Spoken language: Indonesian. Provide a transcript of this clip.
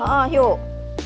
oh oh yuk